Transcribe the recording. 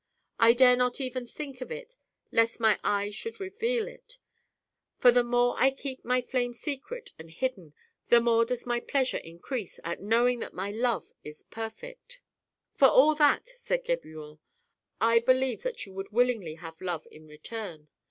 I dare not even think of it lest my eyes should reveal it, for the more I keep my flame secret and hidden, the more does my pleasure increase at knowing that my love is perfect." FIRST 'DAY: TALE nil. II " For all that," said Geburon, " I believe that you would willingly have love in return."